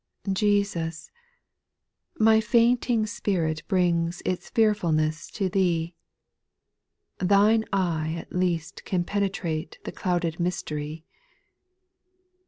4. Jesus, my fainting spirit brings Its fearfulness to Thee ; Thine eye at least can penetrate The clouded mystery.